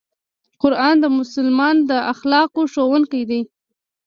قرآن د مسلمان د اخلاقو ښوونکی دی.